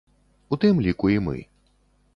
У тым ліку і мы.